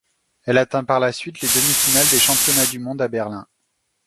Elle atteint par la suite les demi-finales des championnats du monde à Berlin.